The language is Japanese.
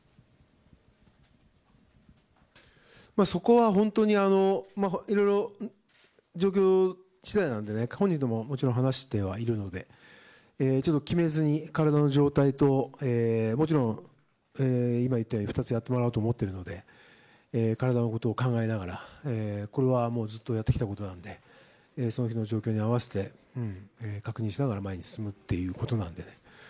そこはいろいろ状況次第なので本人とももちろん話してはいるので決めずに体の状態ともちろん、今言ったように２つやってもらおうと思っているので体のことを考えながらこれはずっとやってきたことなのでその日の状況に合わせて確認しながら前に進むということなので。